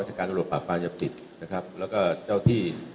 วิเศษเรือป่าวปลาญพฤตนะครับแล้วก็เจ้าที่